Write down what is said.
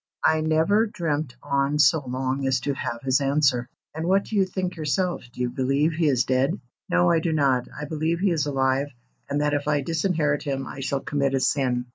'I never dreamt on so long as to have his answer.' 'And what do you think yourself? Do you believe he is dead?' 'No; I do not. I believe he is alive, and that if I disinherit him I shall commit a sin.'